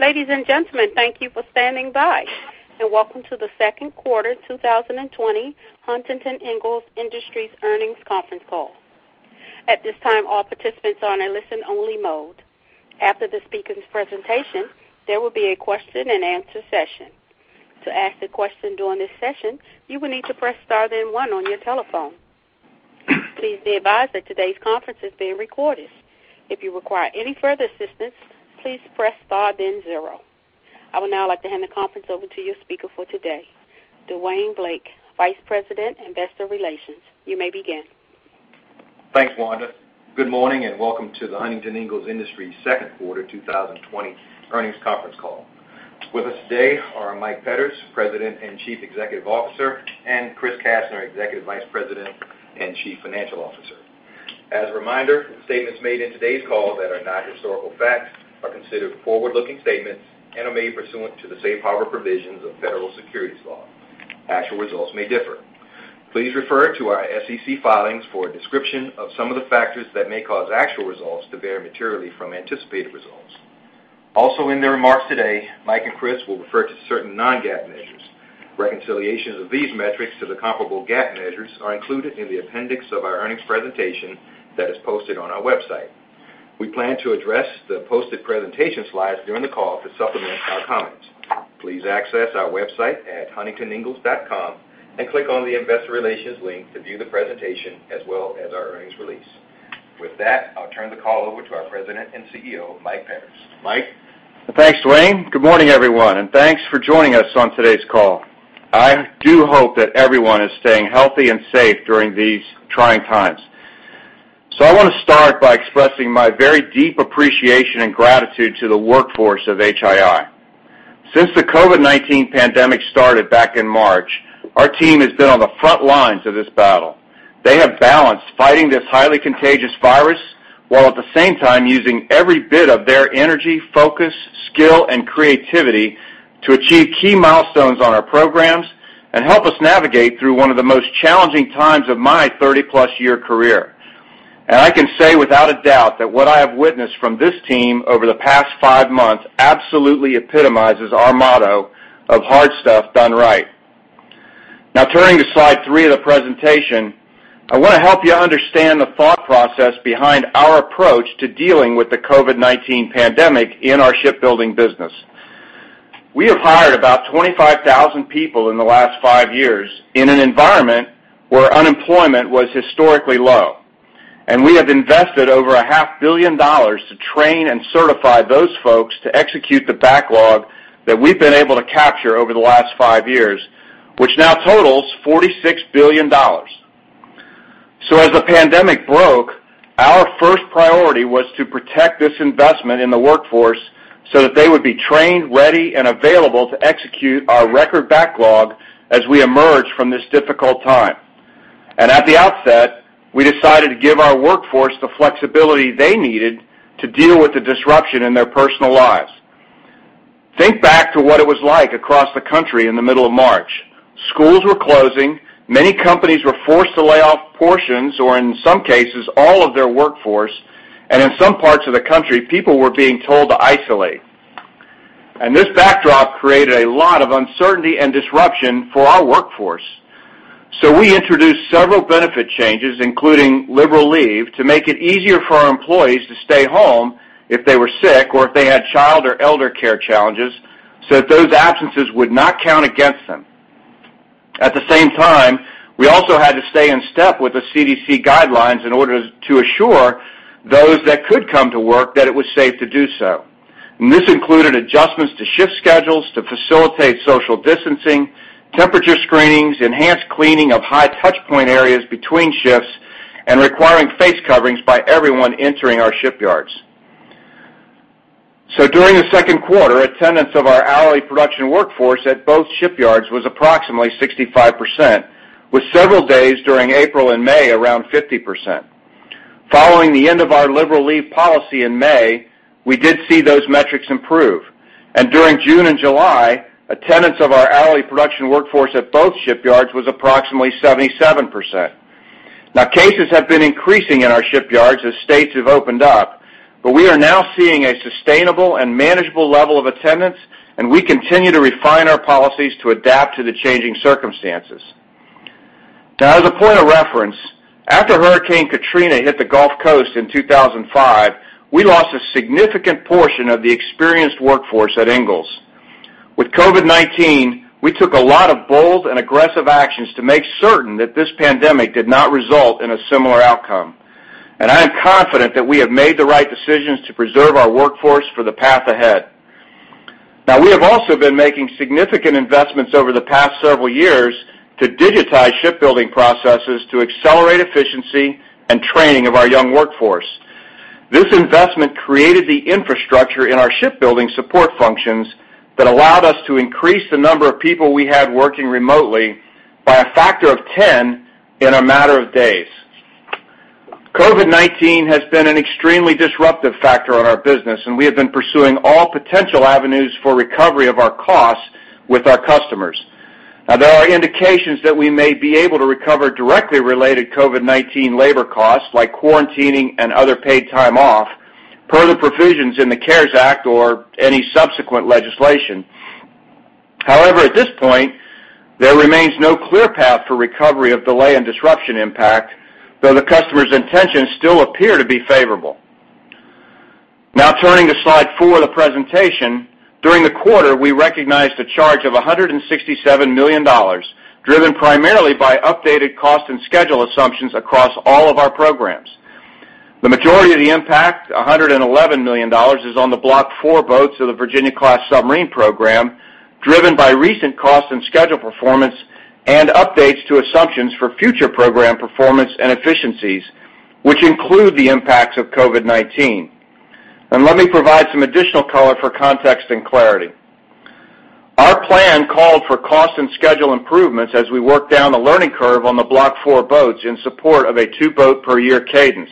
Ladies and gentlemen, thank you for standing by and welcome to the Second Quarter 2020 Huntington Ingalls Industries Earnings Conference Call. At this time, all participants are on a listen-only mode. After the speaker's presentation, there will be a question-and-answer session. To ask a question during this session, you will need to press star then one on your telephone. Please be advised that today's conference is being recorded. If you require any further assistance, please press star then zero. I would now like to hand the conference over to your speaker for today, Dwayne Blake, Vice President, Investor Relations. You may begin. Thanks, Wanda. Good morning and welcome to the Huntington Ingalls Industries second quarter 2020 earnings conference call. With us today are Mike Petters, President and Chief Executive Officer, and Chris Kastner, Executive Vice President and Chief Financial Officer. As a reminder, statements made in today's call that are not historical facts are considered forward-looking statements and are made pursuant to the safe harbor provisions of federal securities law. Actual results may differ. Please refer to our SEC filings for a description of some of the factors that may cause actual results to vary materially from anticipated results. Also, in their remarks today, Mike and Chris will refer to certain non-GAAP measures. Reconciliations of these metrics to the comparable GAAP measures are included in the appendix of our earnings presentation that is posted on our website. We plan to address the posted presentation slides during the call to supplement our comments. Please access our website at huntingtoningalls.com and click on the Investor Relations link to view the presentation as well as our earnings release. With that, I'll turn the call over to our President and CEO, Mike Petters. Mike. Thanks, Dwayne. Good morning, everyone, and thanks for joining us on today's call. I do hope that everyone is staying healthy and safe during these trying times. So I want to start by expressing my very deep appreciation and gratitude to the workforce of HII. Since the COVID-19 pandemic started back in March, our team has been on the front lines of this battle. They have balanced fighting this highly contagious virus while at the same time using every bit of their energy, focus, skill, and creativity to achieve key milestones on our programs and help us navigate through one of the most challenging times of my 30-plus year career, and I can say without a doubt that what I have witnessed from this team over the past five months absolutely epitomizes our motto of hard stuff done right. Now, turning to slide three of the presentation, I want to help you understand the thought process behind our approach to dealing with the COVID-19 pandemic in our shipbuilding business. We have hired about 25,000 people in the last five years in an environment where unemployment was historically low, and we have invested over $500 billion to train and certify those folks to execute the backlog that we've been able to capture over the last five years, which now totals $46 billion, so as the pandemic broke, our first priority was to protect this investment in the workforce so that they would be trained, ready, and available to execute our record backlog as we emerge from this difficult time, and at the outset, we decided to give our workforce the flexibility they needed to deal with the disruption in their personal lives. Think back to what it was like across the country in the middle of March. Schools were closing, many companies were forced to lay off portions or, in some cases, all of their workforce, and in some parts of the country, people were being told to isolate. And this backdrop created a lot of uncertainty and disruption for our workforce. So we introduced several benefit changes, including liberal leave, to make it easier for our employees to stay home if they were sick or if they had child or elder care challenges so that those absences would not count against them. At the same time, we also had to stay in step with the CDC guidelines in order to assure those that could come to work that it was safe to do so. This included adjustments to shift schedules to facilitate social distancing, temperature screenings, enhanced cleaning of high touchpoint areas between shifts, and requiring face coverings by everyone entering our shipyards. During the second quarter, attendance of our hourly production workforce at both shipyards was approximately 65%, with several days during April and May around 50%. Following the end of our liberal leave policy in May, we did see those metrics improve. During June and July, attendance of our hourly production workforce at both shipyards was approximately 77%. Now, cases have been increasing in our shipyards as states have opened up, but we are now seeing a sustainable and manageable level of attendance, and we continue to refine our policies to adapt to the changing circumstances. Now, as a point of reference, after Hurricane Katrina hit the Gulf Coast in 2005, we lost a significant portion of the experienced workforce at Ingalls. With COVID-19, we took a lot of bold and aggressive actions to make certain that this pandemic did not result in a similar outcome. I am confident that we have made the right decisions to preserve our workforce for the path ahead. Now, we have also been making significant investments over the past several years to digitize shipbuilding processes to accelerate efficiency and training of our young workforce. This investment created the infrastructure in our shipbuilding support functions that allowed us to increase the number of people we had working remotely by a factor of 10 in a matter of days. COVID-19 has been an extremely disruptive factor on our business, and we have been pursuing all potential avenues for recovery of our costs with our customers. Now, there are indications that we may be able to recover directly related COVID-19 labor costs like quarantining and other paid time off per the provisions in the CARES Act or any subsequent legislation. However, at this point, there remains no clear path for recovery of delay and disruption impact, though the customer's intentions still appear to be favorable. Now, turning to slide four of the presentation, during the quarter, we recognized a charge of $167 million driven primarily by updated cost and schedule assumptions across all of our programs. The majority of the impact, $111 million, is on the Block IV boats of the Virginia-class submarine program, driven by recent cost and schedule performance and updates to assumptions for future program performance and efficiencies, which include the impacts of COVID-19. And let me provide some additional color for context and clarity. Our plan called for cost and schedule improvements as we worked down the learning curve on the Block IV boats in support of a two-boat-per-year cadence.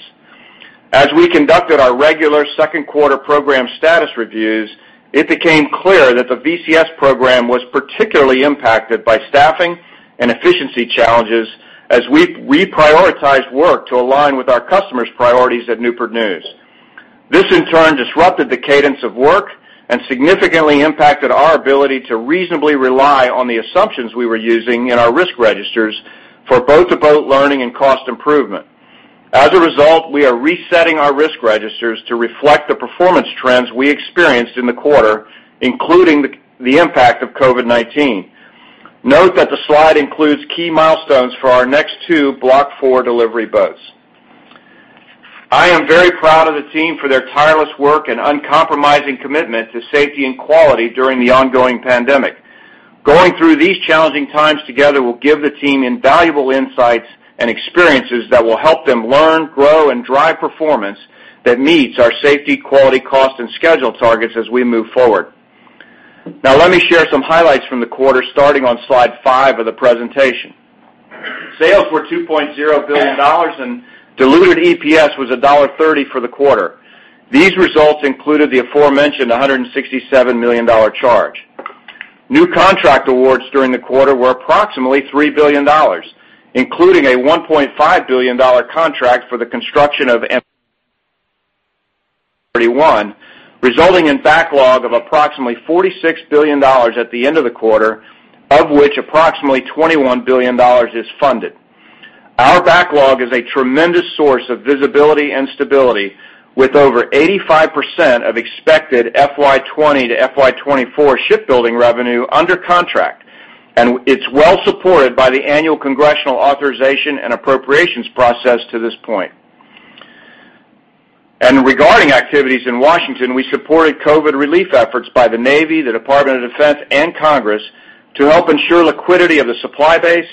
As we conducted our regular second quarter program status reviews, it became clear that the VCS program was particularly impacted by staffing and efficiency challenges as we reprioritized work to align with our customer's priorities at Newport News. This, in turn, disrupted the cadence of work and significantly impacted our ability to reasonably rely on the assumptions we were using in our risk registers for boat-to-boat learning and cost improvement. As a result, we are resetting our risk registers to reflect the performance trends we experienced in the quarter, including the impact of COVID-19. Note that the slide includes key milestones for our next two Block IV delivery boats. I am very proud of the team for their tireless work and uncompromising commitment to safety and quality during the ongoing pandemic. Going through these challenging times together will give the team invaluable insights and experiences that will help them learn, grow, and drive performance that meets our safety, quality, cost, and schedule targets as we move forward. Now, let me share some highlights from the quarter starting on slide five of the presentation. Sales were $2.0 billion, and diluted EPS was $1.30 for the quarter. These results included the aforementioned $167 million charge. New contract awards during the quarter were approximately $3 billion, including a $1.5 billion contract for the construction of LPD 31, resulting in backlog of approximately $46 billion at the end of the quarter, of which approximately $21 billion is funded. Our backlog is a tremendous source of visibility and stability, with over 85% of expected FY20 to FY24 shipbuilding revenue under contract, and it's well supported by the annual congressional authorization and appropriations process to this point and regarding activities in Washington, we supported COVID relief efforts by the Navy, the Department of Defense, and Congress to help ensure liquidity of the supply base,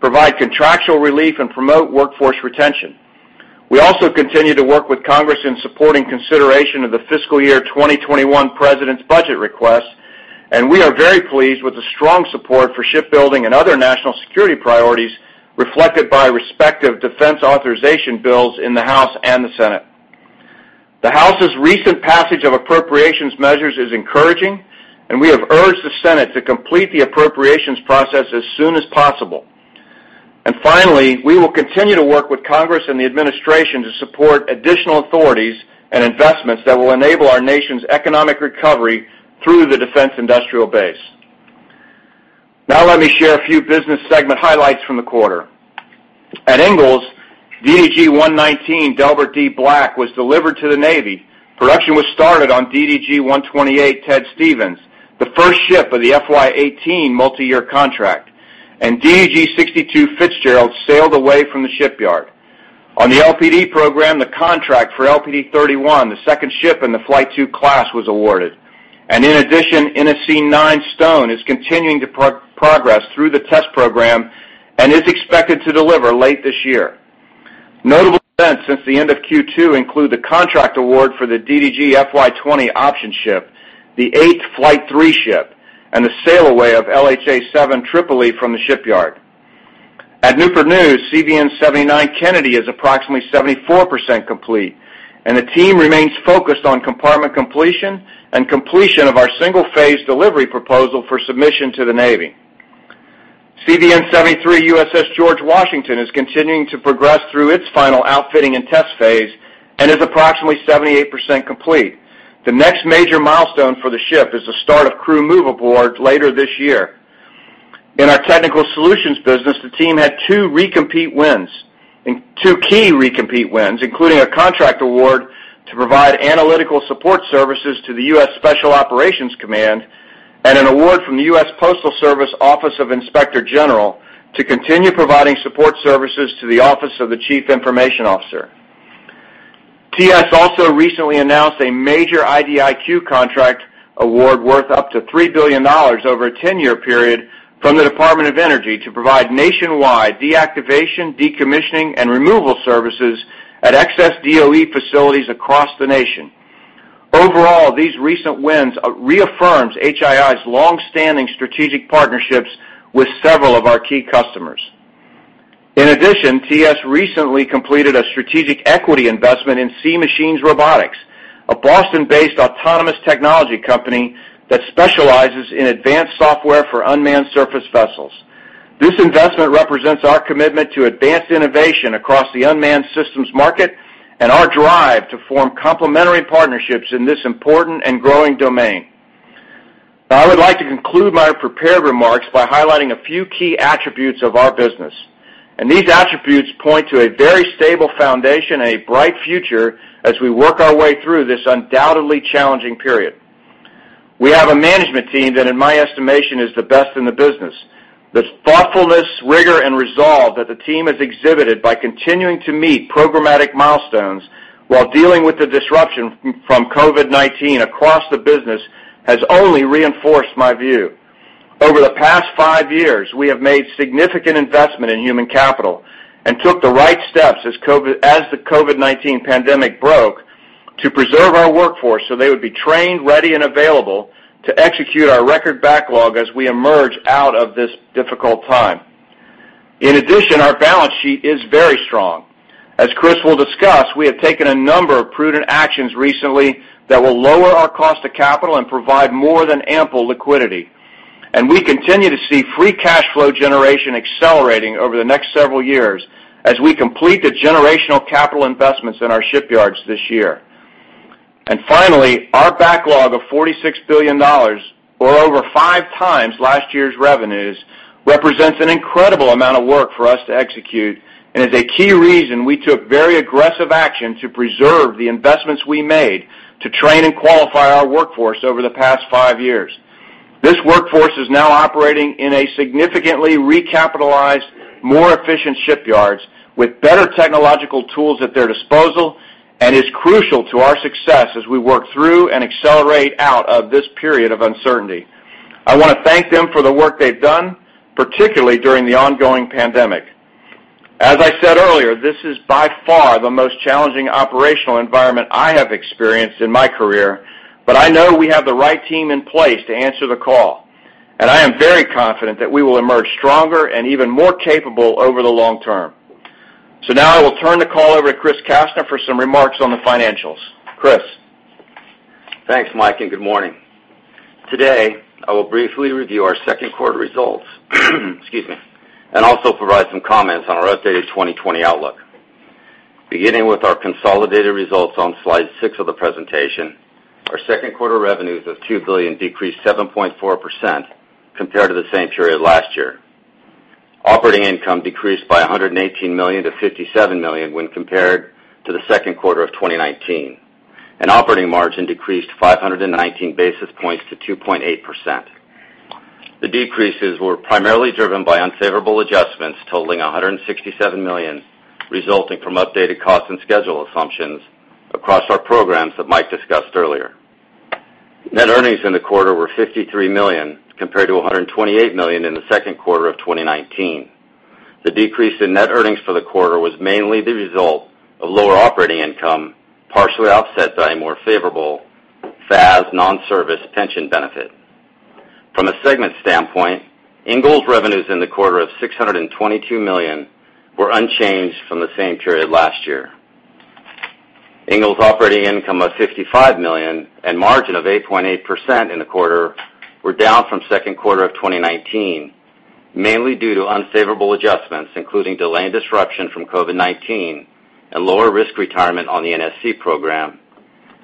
provide contractual relief, and promote workforce retention. We also continue to work with Congress in supporting consideration of the fiscal year 2021 President's budget request, and we are very pleased with the strong support for shipbuilding and other national security priorities reflected by respective defense authorization bills in the House and the Senate. The House's recent passage of appropriations measures is encouraging, and we have urged the Senate to complete the appropriations process as soon as possible, and finally, we will continue to work with Congress and the administration to support additional authorities and investments that will enable our nation's economic recovery through the defense industrial base. Now, let me share a few business segment highlights from the quarter. At Ingalls, DDG 119 Delbert D. Black was delivered to the Navy. Production was started on DDG 128 Ted Stevens, the first ship of the FY18 multi-year contract, and DDG 62 Fitzgerald sailed away from the shipyard. On the LPD program, the contract for LPD 31, the second ship in the Flight II class, was awarded, and in addition, NSC 9 Stone is continuing to progress through the test program and is expected to deliver late this year. Notable events since the end of Q2 include the contract award for the DDG FY20 option ship, the eighth Flight III ship, and the sail away of LHA 7 Tripoli from the shipyard. At Newport News, CVN 79 Kennedy is approximately 74% complete, and the team remains focused on compartment completion and completion of our single-phase delivery proposal for submission to the Navy. CVN 73 USS George Washington is continuing to progress through its final outfitting and test phase and is approximately 78% complete. The next major milestone for the ship is the start of crew move aboard later this year. In our Technical Solutions business, the team had two key recompete wins, including a contract award to provide analytical support services to the U.S. Special Operations Command and an award from the U.S. Postal Service Office of Inspector General to continue providing support services to the Office of the Chief Information Officer. TS also recently announced a major IDIQ contract award worth up to $3 billion over a 10-year period from the Department of Energy to provide nationwide deactivation, decommissioning, and removal services at excess DOE facilities across the nation. Overall, these recent wins reaffirm HII's long-standing strategic partnerships with several of our key customers. In addition, TS recently completed a strategic equity investment in Sea Machines Robotics, a Boston-based autonomous technology company that specializes in advanced software for unmanned surface vessels. This investment represents our commitment to advanced innovation across the unmanned systems market and our drive to form complementary partnerships in this important and growing domain. I would like to conclude my prepared remarks by highlighting a few key attributes of our business, and these attributes point to a very stable foundation and a bright future as we work our way through this undoubtedly challenging period. We have a management team that, in my estimation, is the best in the business. The thoughtfulness, rigor, and resolve that the team has exhibited by continuing to meet programmatic milestones while dealing with the disruption from COVID-19 across the business has only reinforced my view. Over the past five years, we have made significant investment in human capital and took the right steps as the COVID-19 pandemic broke to preserve our workforce so they would be trained, ready, and available to execute our record backlog as we emerge out of this difficult time. In addition, our balance sheet is very strong. As Chris will discuss, we have taken a number of prudent actions recently that will lower our cost of capital and provide more than ample liquidity, and we continue to see free cash flow generation accelerating over the next several years as we complete the generational capital investments in our shipyards this year. Finally, our backlog of $46 billion, or over five times last year's revenues, represents an incredible amount of work for us to execute and is a key reason we took very aggressive action to preserve the investments we made to train and qualify our workforce over the past five years. This workforce is now operating in a significantly recapitalized, more efficient shipyards with better technological tools at their disposal and is crucial to our success as we work through and accelerate out of this period of uncertainty. I want to thank them for the work they've done, particularly during the ongoing pandemic. As I said earlier, this is by far the most challenging operational environment I have experienced in my career, but I know we have the right team in place to answer the call. I am very confident that we will emerge stronger and even more capable over the long term. Now I will turn the call over to Chris Kastner for some remarks on the financials. Chris. Thanks, Mike, and good morning. Today, I will briefly review our second quarter results and also provide some comments on our updated 2020 outlook. Beginning with our consolidated results on slide six of the presentation, our second quarter revenues of $2 billion decreased 7.4% compared to the same period last year. Operating income decreased by $118 million to $57 million when compared to the second quarter of 2019, and operating margin decreased 519 basis points to 2.8%. The decreases were primarily driven by unfavorable adjustments totaling $167 million, resulting from updated cost and schedule assumptions across our programs that Mike discussed earlier. Net earnings in the quarter were $53 million compared to $128 million in the second quarter of 2019. The decrease in net earnings for the quarter was mainly the result of lower operating income, partially offset by a more favorable FAS non-service pension benefit. From a segment standpoint, Ingalls revenues in the quarter of $622 million were unchanged from the same period last year. Ingalls operating income of $55 million and margin of 8.8% in the quarter were down from second quarter of 2019, mainly due to unfavorable adjustments, including delay and disruption from COVID-19 and lower risk retirement on the NSC program,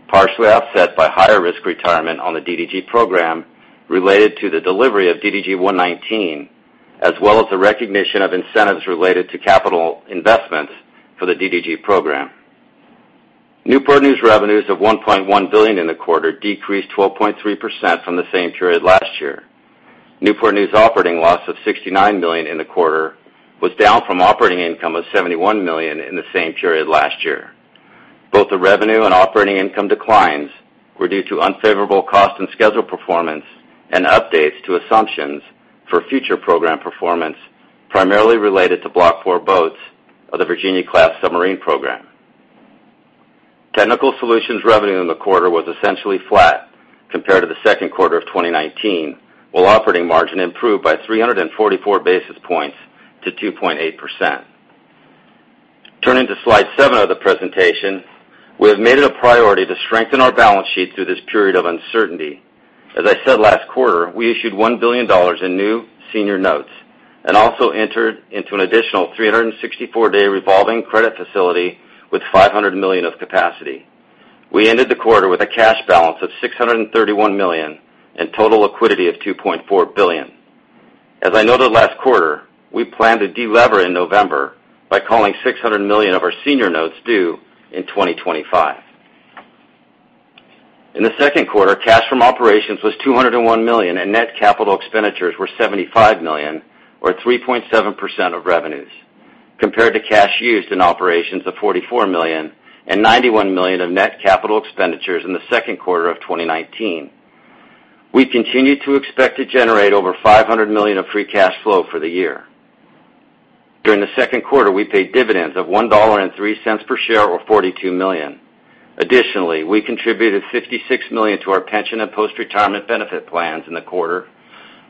partially offset by higher risk retirement on the DDG program related to the delivery of DDG 119, as well as the recognition of incentives related to capital investments for the DDG program. Newport News revenues of $1.1 billion in the quarter decreased 12.3% from the same period last year. Newport News operating loss of $69 million in the quarter was down from operating income of $71 million in the same period last year. Both the revenue and operating income declines were due to unfavorable cost and schedule performance and updates to assumptions for future program performance, primarily related to Block IV boats of the Virginia-class submarine program. Technical Solutions revenue in the quarter was essentially flat compared to the second quarter of 2019, while operating margin improved by 344 basis points to 2.8%. Turning to slide seven of the presentation, we have made it a priority to strengthen our balance sheet through this period of uncertainty. As I said last quarter, we issued $1 billion in new senior notes and also entered into an additional 364-day revolving credit facility with $500 million of capacity. We ended the quarter with a cash balance of $631 million and total liquidity of $2.4 billion. As I noted last quarter, we plan to delever in November by calling $600 million of our senior notes due in 2025. In the second quarter, cash from operations was $201 million, and net capital expenditures were $75 million, or 3.7% of revenues, compared to cash used in operations of $44 million and $91 million of net capital expenditures in the second quarter of 2019. We continue to expect to generate over $500 million of free cash flow for the year. During the second quarter, we paid dividends of $1.03 per share, or $42 million. Additionally, we contributed $56 million to our pension and post-retirement benefit plans in the quarter,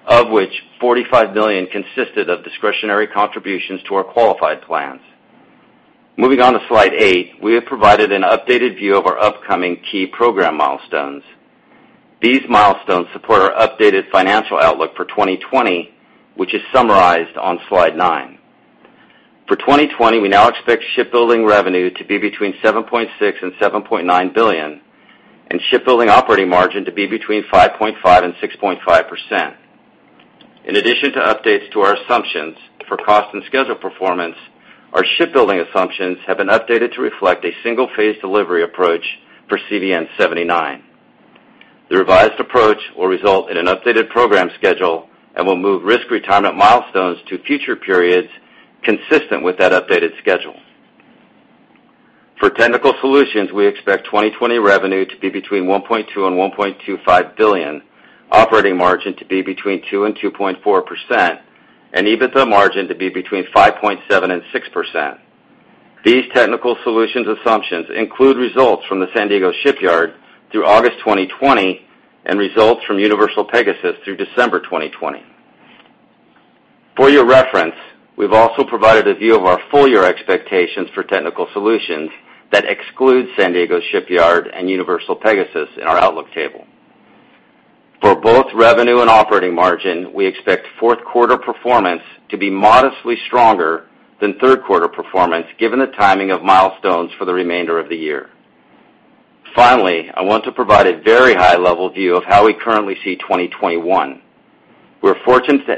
of which $45 million consisted of discretionary contributions to our qualified plans. Moving on to slide eight, we have provided an updated view of our upcoming key program milestones. These milestones support our updated financial outlook for 2020, which is summarized on slide nine. For 2020, we now expect shipbuilding revenue to be between $7.6-$7.9 billion and shipbuilding operating margin to be between 5.5%-6.5%. In addition to updates to our assumptions for cost and schedule performance, our shipbuilding assumptions have been updated to reflect a single-phase delivery approach for CVN 79. The revised approach will result in an updated program schedule and will move risk retirement milestones to future periods consistent with that updated schedule. For technical solutions, we expect 2020 revenue to be between $1.2-$1.25 billion, operating margin to be between 2%-2.4%, and EBITDA margin to be between 5.7%-6%. These technical solutions assumptions include results from the San Diego shipyard through August 2020 and results from UniversalPegasus through December 2020. For your reference, we've also provided a view of our full year expectations for technical solutions that exclude San Diego shipyard and UniversalPegasus in our outlook table. For both revenue and operating margin, we expect fourth quarter performance to be modestly stronger than third quarter performance given the timing of milestones for the remainder of the year. Finally, I want to provide a very high-level view of how we currently see 2021. We're fortunate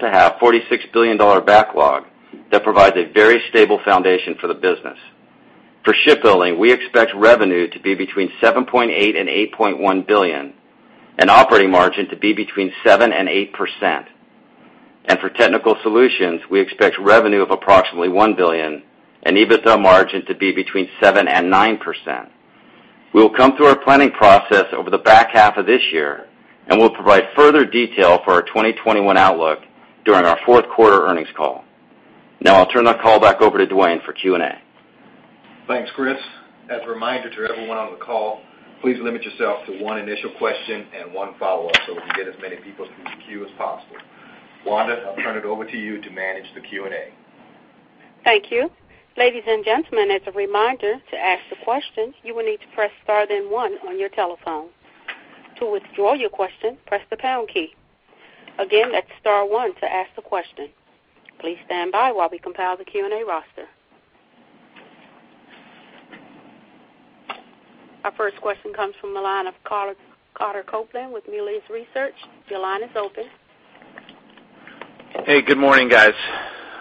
to have a $46 billion backlog that provides a very stable foundation for the business. For shipbuilding, we expect revenue to be between $7.8-$8.1 billion and operating margin to be between 7%-8%. And for technical solutions, we expect revenue of approximately $1 billion and EBITDA margin to be between 7%-9%. We will come through our planning process over the back half of this year and will provide further detail for our 2021 outlook during our fourth quarter earnings call. Now I'll turn the call back over to Dwayne for Q&A. Thanks, Chris. As a reminder to everyone on the call, please limit yourself to one initial question and one follow-up so we can get as many people through the queue as possible. Wanda, I'll turn it over to you to manage the Q&A. Thank you. Ladies and gentlemen, as a reminder to ask a question, you will need to press Star then One on your telephone. To withdraw your question, press the pound key. Again, that's Star One to ask a question. Please stand by while we compile the Q&A roster. Our first question comes from Carter Copeland with Melius Research. Your line is open. Hey, good morning, guys.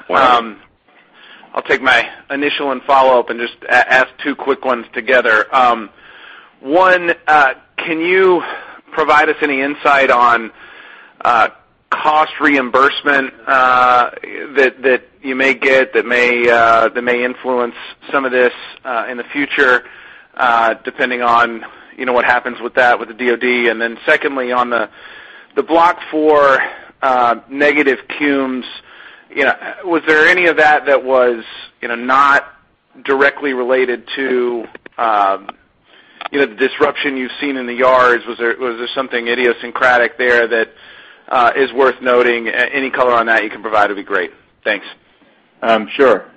I'll take my initial and follow-up and just ask two quick ones together. One, can you provide us any insight on cost reimbursement that you may get that may influence some of this in the future depending on what happens with that, with the DOD? And then secondly, on the Block IV negative cums, was there any of that that was not directly related to the disruption you've seen in the yards? Was there something idiosyncratic there that is worth noting? Any color on that you can provide would be great. Thanks. Sure.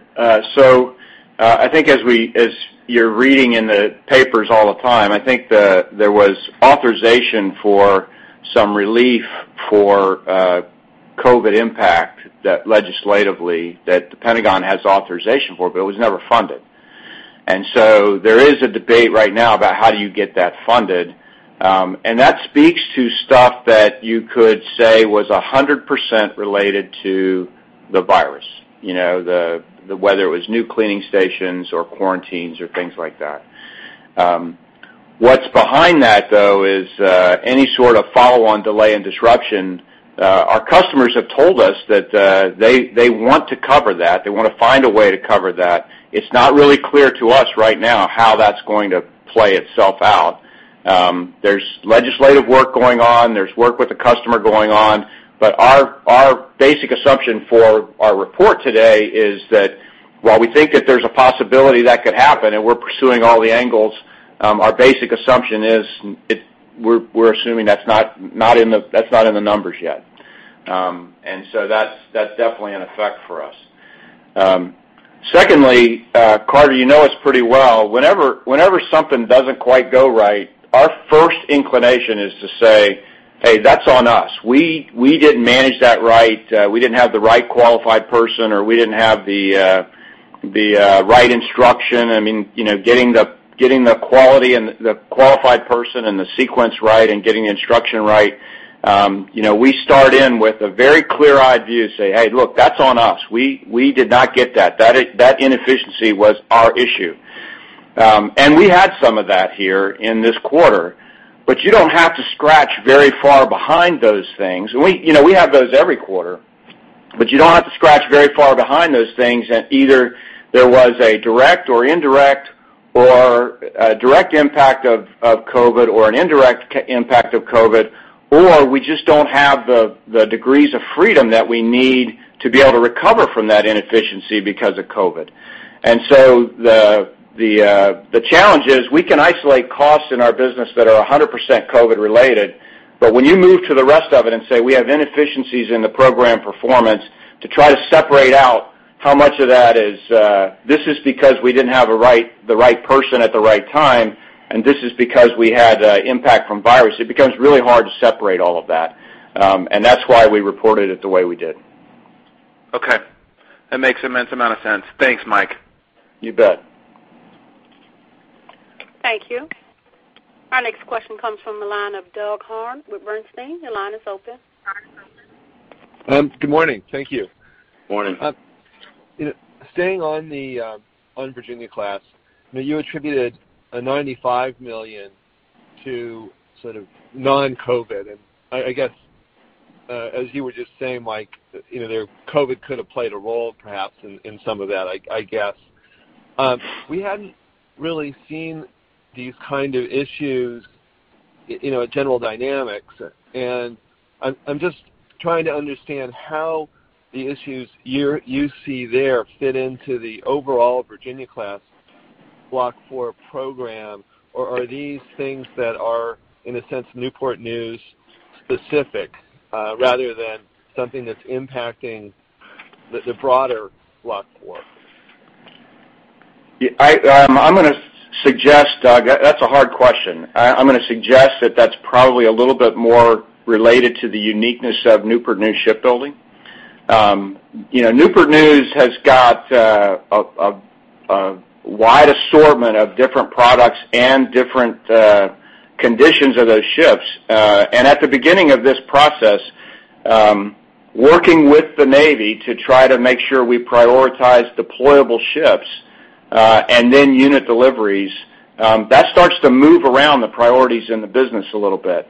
So I think as you're reading in the papers all the time, I think there was authorization for some relief for COVID impact that legislatively that the Pentagon has authorization for, but it was never funded, and so there is a debate right now about how do you get that funded. And that speaks to stuff that you could say was 100% related to the virus, whether it was new cleaning stations or quarantines or things like that. What's behind that, though, is any sort of follow-on delay and disruption. Our customers have told us that they want to cover that. They want to find a way to cover that. It's not really clear to us right now how that's going to play itself out. There's legislative work going on. There's work with the customer going on. But our basic assumption for our report today is that while we think that there's a possibility that could happen and we're pursuing all the angles, our basic assumption is we're assuming that's not in the numbers yet. And so that's definitely an effect for us. Secondly, Carter, you know us pretty well. Whenever something doesn't quite go right, our first inclination is to say, "Hey, that's on us. We didn't manage that right. We didn't have the right qualified person, or we didn't have the right instruction." I mean, getting the quality and the qualified person and the sequence right and getting the instruction right, we start in with a very clear-eyed view and say, "Hey, look, that's on us. We did not get that. That inefficiency was our issue." And we had some of that here in this quarter. But you don't have to scratch very far behind those things. We have those every quarter. But you don't have to scratch very far behind those things that either there was a direct or indirect or direct impact of COVID or an indirect impact of COVID, or we just don't have the degrees of freedom that we need to be able to recover from that inefficiency because of COVID. And so the challenge is we can isolate costs in our business that are 100% COVID-related, but when you move to the rest of it and say, "We have inefficiencies in the program performance," to try to separate out how much of that is, "This is because we didn't have the right person at the right time, and this is because we had impact from virus." It becomes really hard to separate all of that. That's why we reported it the way we did. Okay. That makes immense amount of sense. Thanks, Mike. You bet. Thank you. Our next question comes from Milana Doughart with Bernstein. Your line is open. Good morning. Thank you. Morning. Staying on the Virginia class, you attributed $95 million to sort of non-COVID. And I guess, as you were just saying, COVID could have played a role perhaps in some of that, I guess. We hadn't really seen these kind of issues in General Dynamics. And I'm just trying to understand how the issues you see there fit into the overall Virginia class Block IV program. Are these things that are, in a sense, Newport News specific rather than something that's impacting the broader Block IV? I'm going to suggest, Doug, that's a hard question. I'm going to suggest that that's probably a little bit more related to the uniqueness of Newport News Shipbuilding. Newport News has got a wide assortment of different products and different conditions of those ships. And at the beginning of this process, working with the Navy to try to make sure we prioritize deployable ships and then unit deliveries, that starts to move around the priorities in the business a little bit.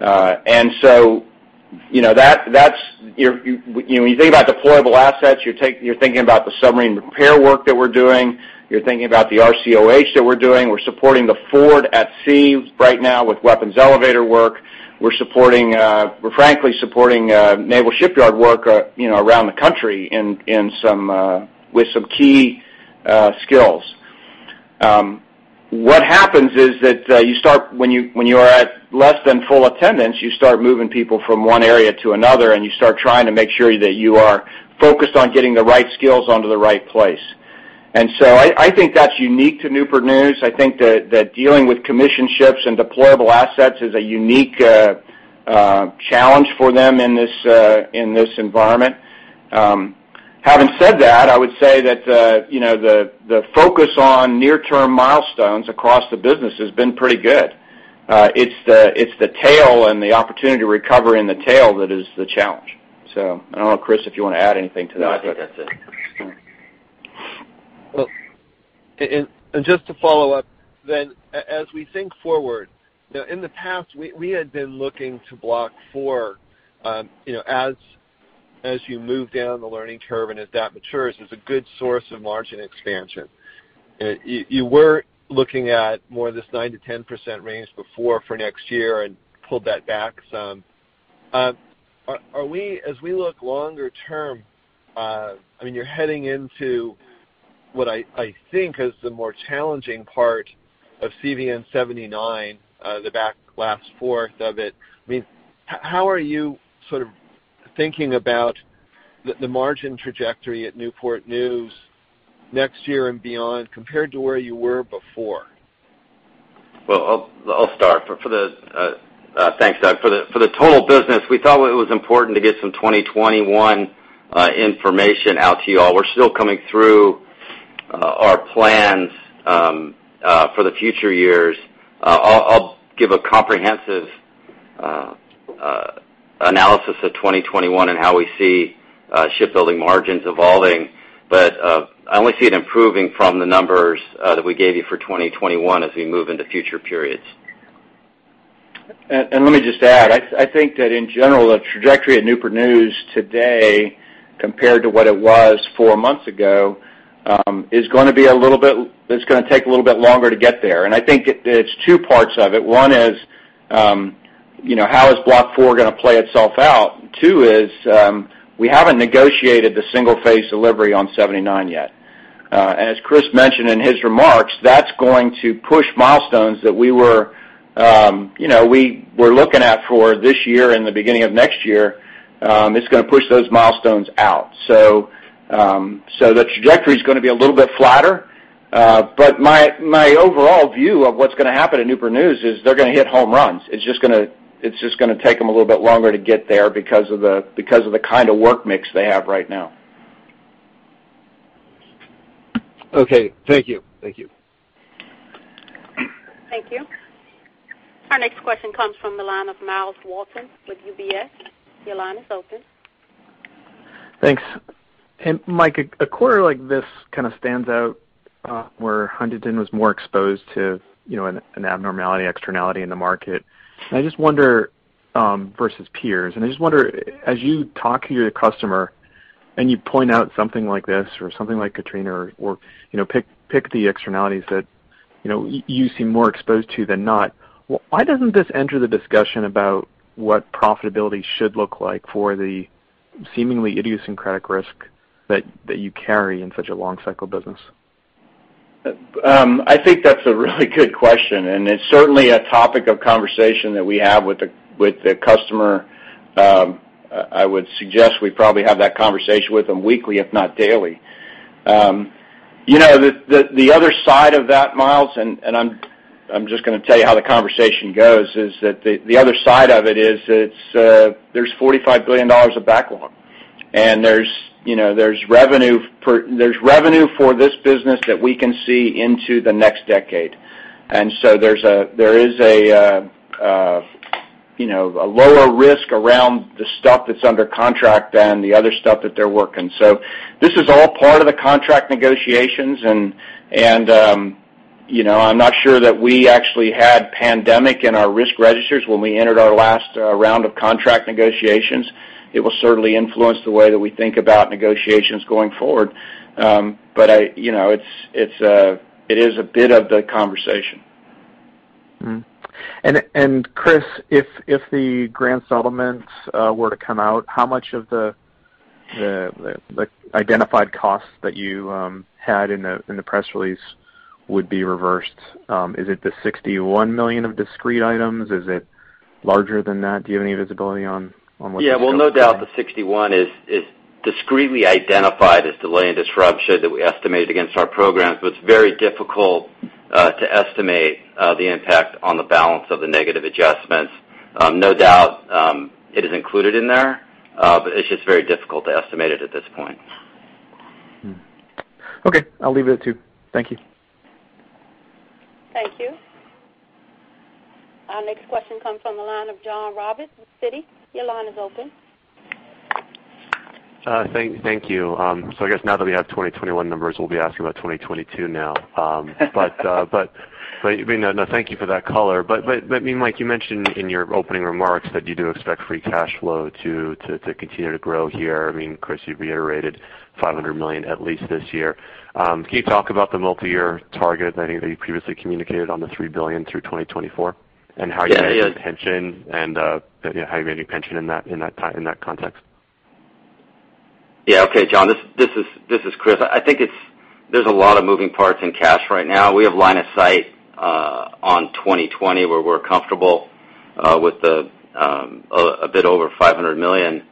And so when you think about deployable assets, you're thinking about the submarine repair work that we're doing. You're thinking about the RCOH that we're doing. We're supporting the Ford at sea right now with weapons elevator work. We're frankly supporting naval shipyard work around the country with some key skills. What happens is that when you are at less than full attendance, you start moving people from one area to another, and you start trying to make sure that you are focused on getting the right skills onto the right place. And so I think that's unique to Newport News. I think that dealing with commissioned ships and deployable assets is a unique challenge for them in this environment. Having said that, I would say that the focus on near-term milestones across the business has been pretty good. It's the tail and the opportunity to recover in the tail that is the challenge. So I don't know, Chris, if you want to add anything to that. No, I think that's it. Just to follow up, then as we think forward, in the past, we had been looking to Block IV as you move down the learning curve and as that matures as a good source of margin expansion. You were looking at more of this 9%-10% range before for next year and pulled that back some. As we look longer term, I mean, you're heading into what I think is the more challenging part of CVN 79, the back last fourth of it. I mean, how are you sort of thinking about the margin trajectory at Newport News next year and beyond compared to where you were before? I'll start. Thanks, Doug. For the total business, we thought it was important to get some 2021 information out to you all. We're still coming through our plans for the future years. I'll give a comprehensive analysis of 2021 and how we see shipbuilding margins evolving. But I only see it improving from the numbers that we gave you for 2021 as we move into future periods. And let me just add, I think that in general, the trajectory at Newport News today compared to what it was four months ago is going to be a little bit, it's going to take a little bit longer to get there. And I think it's two parts of it. One is how is Block IV going to play itself out? Two is we haven't negotiated the single-phase delivery on 79 yet. And as Chris mentioned in his remarks, that's going to push milestones that we were looking at for this year and the beginning of next year. It's going to push those milestones out. So the trajectory is going to be a little bit flatter. But my overall view of what's going to happen at Newport News is they're going to hit home runs. It's just going to take them a little bit longer to get there because of the kind of work mix they have right now. Okay. Thank you. Thank you. Thank you. Our next question comes from Myles Walton with UBS. Your line is open. Thanks. Mike, a quarter like this kind of stands out where Huntington was more exposed to an abnormality, externality in the market. And I just wonder versus peers. And I just wonder, as you talk to your customer and you point out something like this or something like Katrina or pick the externalities that you seem more exposed to than not, why doesn't this enter the discussion about what profitability should look like for the seemingly idiosyncratic risk that you carry in such a long-cycle business? I think that's a really good question, and it's certainly a topic of conversation that we have with the customer. I would suggest we probably have that conversation with them weekly, if not daily. The other side of that, Miles, and I'm just going to tell you how the conversation goes, is that the other side of it is there's $45 billion of backlog, and there's revenue for this business that we can see into the next decade, and so there is a lower risk around the stuff that's under contract than the other stuff that they're working, so this is all part of the contract negotiations, and I'm not sure that we actually had pandemic in our risk registers when we entered our last round of contract negotiations. It will certainly influence the way that we think about negotiations going forward, but it is a bit of the conversation. Chris, if the grand settlements were to come out, how much of the identified costs that you had in the press release would be reversed? Is it the $61 million of discrete items? Is it larger than that? Do you have any visibility on what's happening? Yeah. Well, no doubt, the 61 is discretely identified as delay and disruption that we estimated against our programs. But it's very difficult to estimate the impact on the balance of the negative adjustments. No doubt it is included in there. But it's just very difficult to estimate it at this point. Okay. I'll leave it at two. Thank you. Thank you. Our next question comes from Jon Raviv with Citi. Your line is open. Thank you. So I guess now that we have 2021 numbers, we'll be asking about 2022 now. But thank you for that color. But Mike, you mentioned in your opening remarks that you do expect free cash flow to continue to grow here. I mean, Chris, you reiterated $500 million at least this year. Can you talk about the multi-year target that you previously communicated on the $3 billion through 2024 and how you manage your pension and how you manage your pension in that context? Yeah. Okay, John, this is Chris. I think there's a lot of moving parts in cash right now. We have line of sight on 2020 where we're comfortable with a bit over $500 million.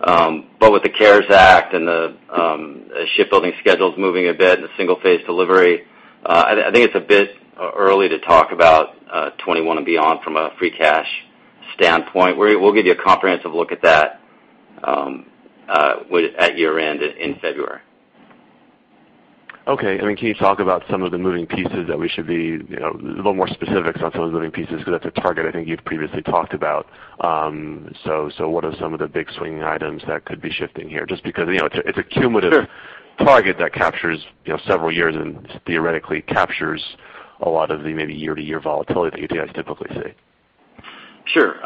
But with the CARES Act and the shipbuilding schedules moving a bit and the single-phase delivery, I think it's a bit early to talk about 2021 and beyond from a free cash standpoint. We'll give you a comprehensive look at that at year-end in February. Okay. I mean, can you talk about some of the moving pieces that we should be a little more specific on some of the moving pieces? Because that's a target I think you've previously talked about. So what are some of the big swinging items that could be shifting here? Just because it's a cumulative target that captures several years and theoretically captures a lot of the maybe year-to-year volatility that you guys typically see. Sure.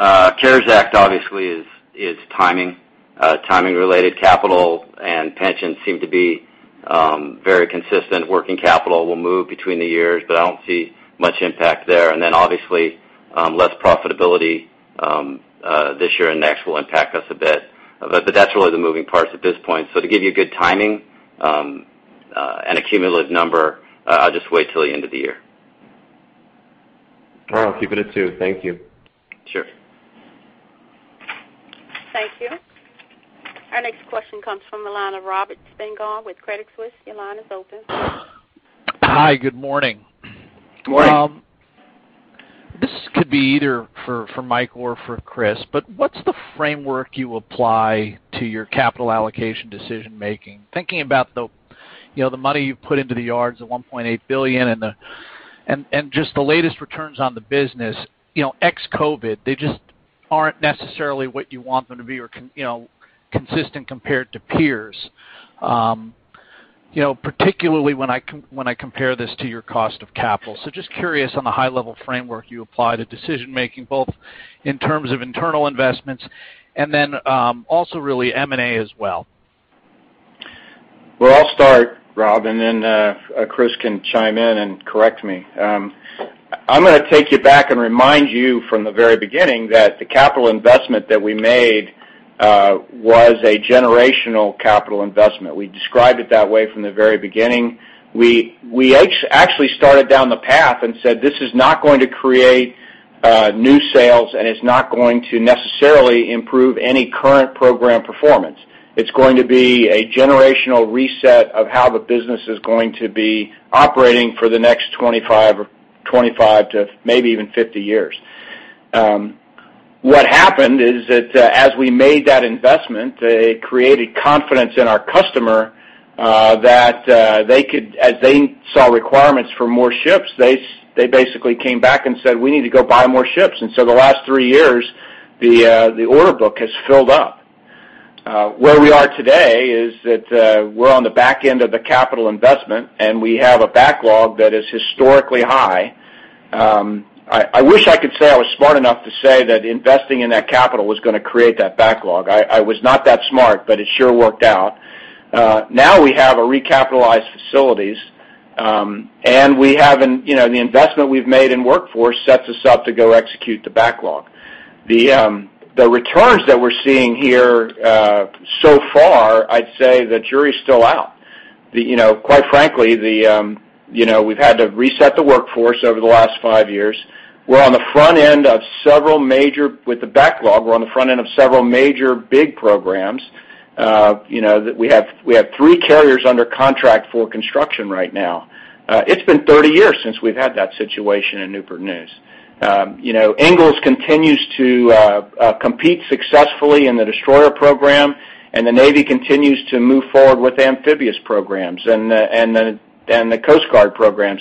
CARES Act obviously is timing. Timing-related capital and pension seem to be very consistent. Working capital will move between the years, but I don't see much impact there. And then obviously, less profitability this year and next will impact us a bit. But that's really the moving parts at this point. So to give you good timing and a cumulative number, I'll just wait till the end of the year. All right. I'll keep it at two. Thank you. Sure. Thank you. Our next question comes from Milana Roberts Bengal with Credit Suisse. Your line is open. Hi. Good morning. Good morning. This could be either for Mike or for Chris. But what's the framework you apply to your capital allocation decision-making? Thinking about the money you put into the yards, the $1.8 billion, and just the latest returns on the business ex-COVID, they just aren't necessarily what you want them to be or consistent compared to peers, particularly when I compare this to your cost of capital. So just curious on the high-level framework you apply to decision-making, both in terms of internal investments and then also really M&A as well. I'll start, Rob, and then Chris can chime in and correct me. I'm going to take you back and remind you from the very beginning that the capital investment that we made was a generational capital investment. We described it that way from the very beginning. We actually started down the path and said, "This is not going to create new sales, and it's not going to necessarily improve any current program performance. It's going to be a generational reset of how the business is going to be operating for the next 25 to maybe even 50 years." What happened is that as we made that investment, it created confidence in our customer that as they saw requirements for more ships, they basically came back and said, "We need to go buy more ships." And so the last three years, the order book has filled up. Where we are today is that we're on the back end of the capital investment, and we have a backlog that is historically high. I wish I could say I was smart enough to say that investing in that capital was going to create that backlog. I was not that smart, but it sure worked out. Now we have recapitalized facilities, and the investment we've made in workforce sets us up to go execute the backlog. The returns that we're seeing here so far, I'd say the jury's still out. Quite frankly, we've had to reset the workforce over the last five years. We're on the front end of several major big programs. We have three carriers under contract for construction right now. It's been 30 years since we've had that situation in Newport News. Ingalls continues to compete successfully in the destroyer program, and the Navy continues to move forward with amphibious programs, and the Coast Guard program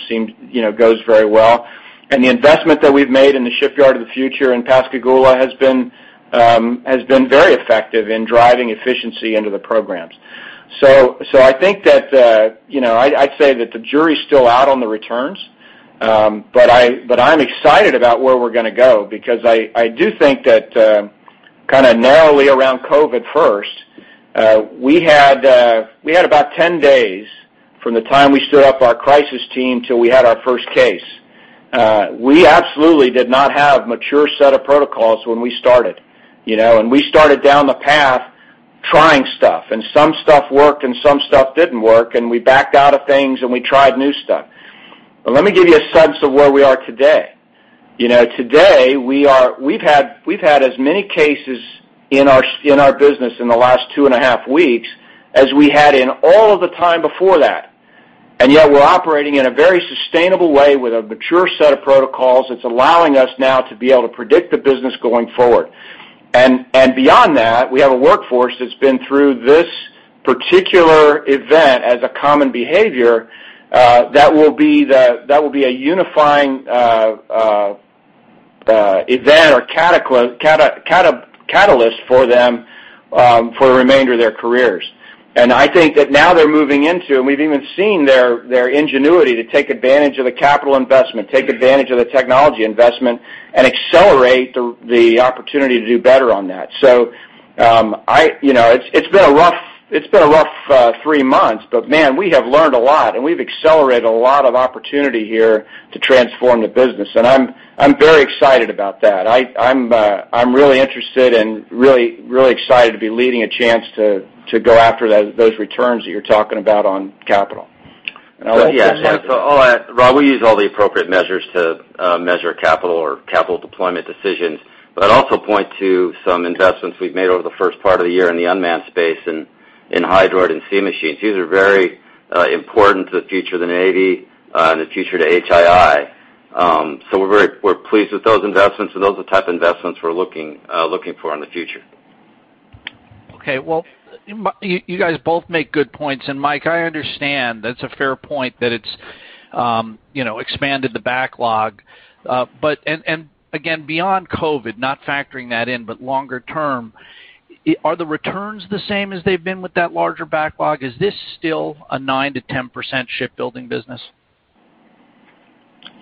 goes very well. The investment that we've made in the shipyard of the future in Pascagoula has been very effective in driving efficiency into the programs, so I think that I'd say that the jury's still out on the returns, but I'm excited about where we're going to go because I do think that kind of narrowly around COVID first, we had about 10 days from the time we stood up our crisis team till we had our first case. We absolutely did not have a mature set of protocols when we started, and we started down the path trying stuff. Some stuff worked, and some stuff didn't work, and we backed out of things, and we tried new stuff. But let me give you a sense of where we are today. Today, we've had as many cases in our business in the last two and a half weeks as we had in all of the time before that. And yet we're operating in a very sustainable way with a mature set of protocols. It's allowing us now to be able to predict the business going forward. And beyond that, we have a workforce that's been through this particular event as a common behavior that will be a unifying event or catalyst for them for the remainder of their careers. And I think that now they're moving into, and we've even seen their ingenuity to take advantage of the capital investment, take advantage of the technology investment, and accelerate the opportunity to do better on that. So it's been a rough three months. But man, we have learned a lot, and we've accelerated a lot of opportunity here to transform the business. And I'm very excited about that. I'm really interested and really excited to be leading a chance to go after those returns that you're talking about on capital. And I'll let you say. So I'll add, Rob, we use all the appropriate measures to measure capital or capital deployment decisions. But I'd also point to some investments we've made over the first part of the year in the unmanned space and in Hydroid and Sea Machines. These are very important to the future of the Navy and the future of HII. So we're pleased with those investments, and those are the type of investments we're looking for in the future. Okay. Well, you guys both make good points. And Mike, I understand. That's a fair point that it's expanded the backlog. And again, beyond COVID, not factoring that in, but longer term, are the returns the same as they've been with that larger backlog? Is this still a 9%-10% shipbuilding business?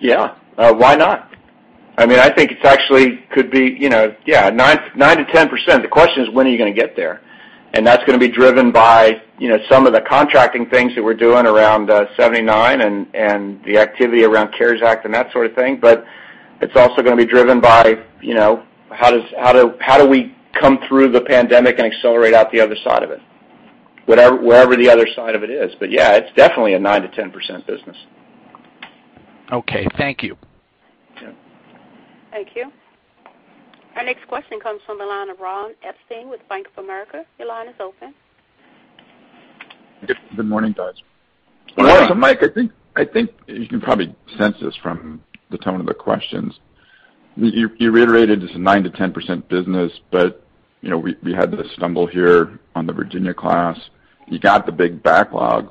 Yeah. Why not? I mean, I think it actually could be, yeah, 9%-10%. The question is, when are you going to get there? And that's going to be driven by some of the contracting things that we're doing around '79 and the activity around CARES Act and that sort of thing. But it's also going to be driven by how do we come through the pandemic and accelerate out the other side of it, wherever the other side of it is. But yeah, it's definitely a 9%-10% business. Okay. Thank you. Thank you. Our next question comes from Ron Epstein with Bank of America. Your line is open. Good morning, guys. Morning. Mike, I think you can probably sense this from the tone of the questions. You reiterated it's a 9%-10% business, but we had this stumble here on the Virginia-class. You got the big backlog.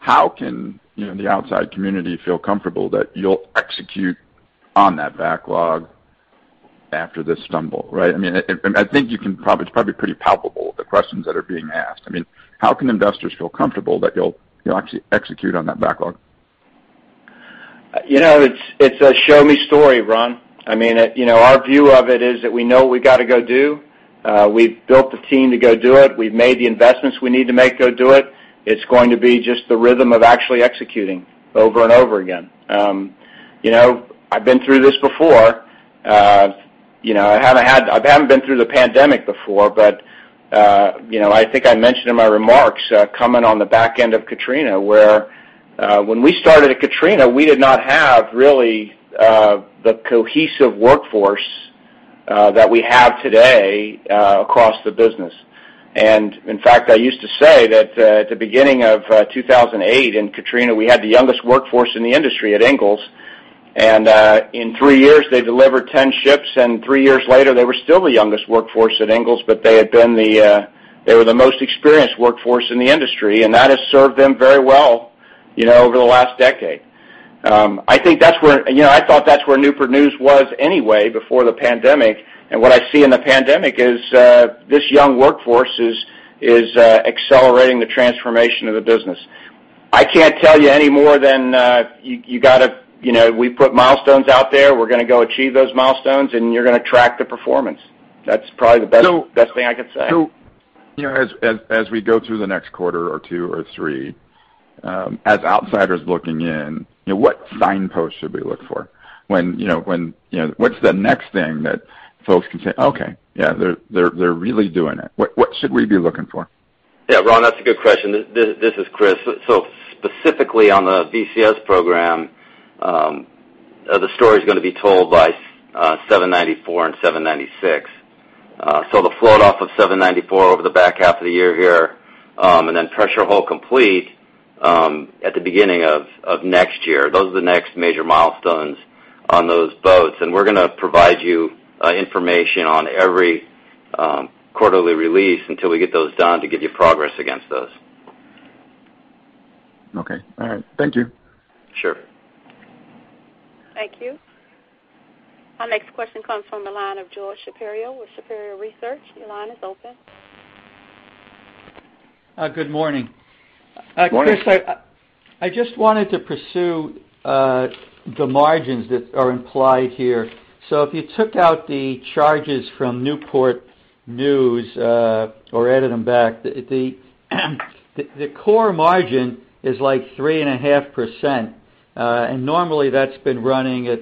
How can the outside community feel comfortable that you'll execute on that backlog after this stumble? Right? I mean, I think you can probably it's probably pretty palpable, the questions that are being asked. I mean, how can investors feel comfortable that you'll actually execute on that backlog? It's a show-me story, Ron. I mean, our view of it is that we know what we got to go do. We've built the team to go do it. We've made the investments we need to make to go do it. It's going to be just the rhythm of actually executing over and over again. I've been through this before. I haven't been through the pandemic before, but I think I mentioned in my remarks coming on the back end of Katrina where when we started at Katrina, we did not have really the cohesive workforce that we have today across the business, and in fact, I used to say that at the beginning of 2008 in Katrina, we had the youngest workforce in the industry at Ingalls, and in three years, they delivered 10 ships. Three years later, they were still the youngest workforce at Ingalls, but they were the most experienced workforce in the industry. That has served them very well over the last decade. I think that's where I thought Newport News was anyway before the pandemic. What I see in the pandemic is this young workforce is accelerating the transformation of the business. I can't tell you any more than you got to. We put milestones out there. We're going to go achieve those milestones, and you're going to track the performance. That's probably the best thing I could say. So as we go through the next quarter or two or three, as outsiders looking in, what signpost should we look for? When, what's the next thing that folks can say, "Okay. Yeah. They're really doing it"? What should we be looking for? Yeah. Ron, that's a good question. This is Chris. So specifically on the VCS program, the story is going to be told by 794 and 796. So the float-off of 794 over the back half of the year here and then pressure hull complete at the beginning of next year. Those are the next major milestones on those boats. And we're going to provide you information on every quarterly release until we get those done to give you progress against those. Okay. All right. Thank you. Sure. Thank you. Our next question comes from George Shapiro with Shapiro Research. Your line is open. Good morning. Morning. Chris, I just wanted to pursue the margins that are implied here. So if you took out the charges from Newport News or added them back, the core margin is like 3.5%. And normally, that's been running at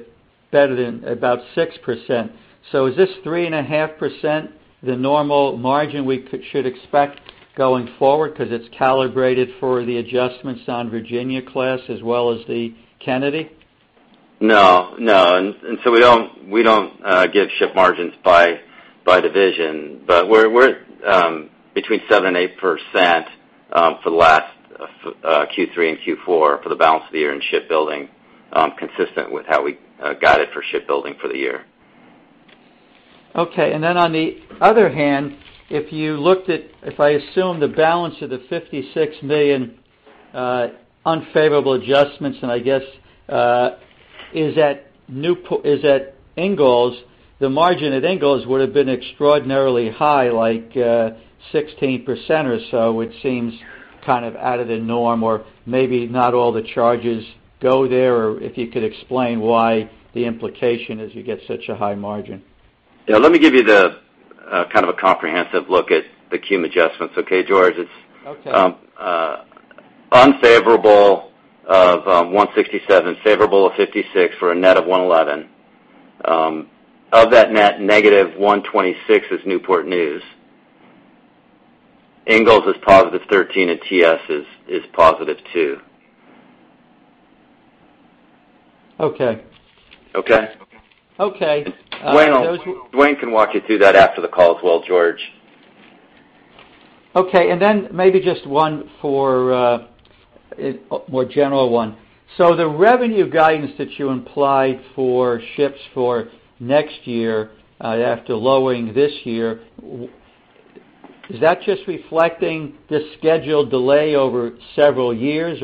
better than about 6%. So is this 3.5% the normal margin we should expect going forward because it's calibrated for the adjustments on Virginia-class as well as the Kennedy? No. No. And so we don't give ship margins by division. But we're between 7% and 8% for the last Q3 and Q4 for the balance of the year in shipbuilding, consistent with how we got it for shipbuilding for the year. Okay, and then on the other hand, if you looked at, if I assume the balance of the $56 million unfavorable adjustments, and I guess it's at Ingalls, the margin at Ingalls would have been extraordinarily high, like 16% or so, which seems kind of out of the norm, or maybe not all the charges go there. Or if you could explain why the implication is you get such a high margin. Yeah. Let me give you kind of a comprehensive look at the cum adjustments. Okay, George. It's unfavorable of 167, favorable of 56 for a net of 111. Of that net, -126 is Newport News. Ingalls is +13, and TS is +2. Okay. Okay? Okay. Dwayne can walk you through that after the call as well, George. Okay. And then maybe just one for a more general one. So the revenue guidance that you implied for ships for next year after lowering this year, is that just reflecting the schedule delay over several years?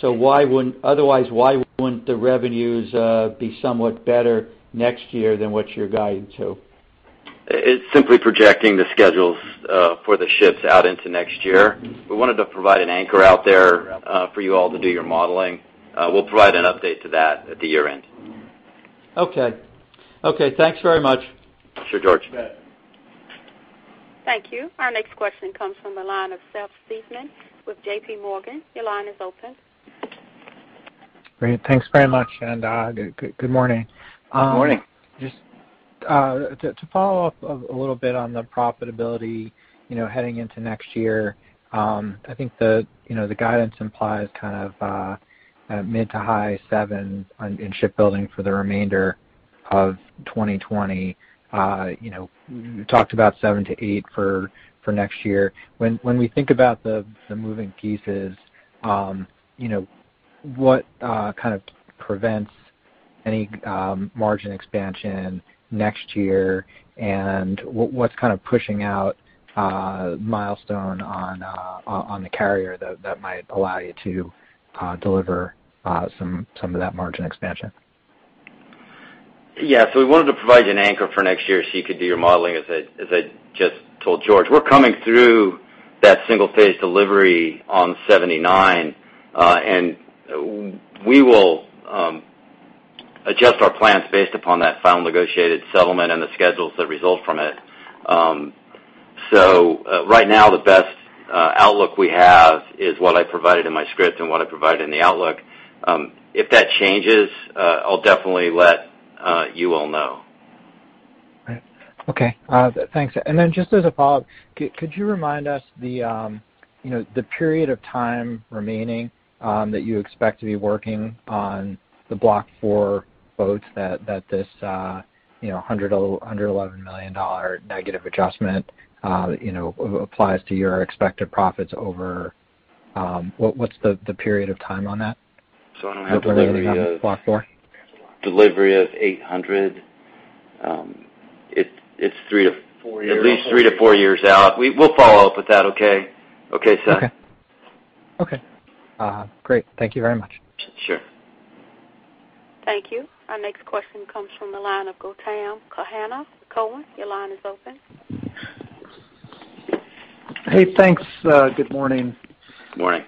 So otherwise, why wouldn't the revenues be somewhat better next year than what you're guiding to? It's simply projecting the schedules for the ships out into next year. We wanted to provide an anchor out there for you all to do your modeling. We'll provide an update to that at the year end. Okay. Okay. Thanks very much. Sure, George. Thank you. Our next question comes from Seth Seifman with J.P. Morgan. Your line is open. Great. Thanks very much, and good morning. Good morning. Just to follow up a little bit on the profitability heading into next year, I think the guidance implies kind of mid- to high-7% in shipbuilding for the remainder of 2020. We talked about 7%-8% for next year. When we think about the moving pieces, what kind of prevents any margin expansion next year? And what's kind of pushing out milestone on the carrier that might allow you to deliver some of that margin expansion? Yeah. So we wanted to provide you an anchor for next year so you could do your modeling, as I just told George. We're coming through that single-phase delivery on '79. And we will adjust our plans based upon that final negotiated settlement and the schedules that result from it. So right now, the best outlook we have is what I provided in my script and what I provided in the outlook. If that changes, I'll definitely let you all know. Okay. Thanks, and then just as a follow-up, could you remind us the period of time remaining that you expect to be working on the Block IV boats that this $111 million negative adjustment applies to your expected profits over? What's the period of time on that? So I don't have the. Delivery on Block IV? Delivery of 800. It's at least three to four years out. We'll follow up with that. Okay? Okay, Seth. Okay. Okay. Great. Thank you very much. Sure. Thank you. Our next question comes from Gautam Khanna. Your line is open. Hey, thanks. Good morning. Good morning.